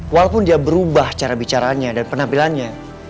walaupun dia berubah cara bicaranya dan penampilannya